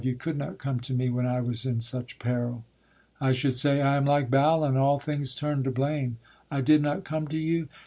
you could not come to me When I was in such peril. I should say: I am like Balen, all things turn to blame. I did not come to you?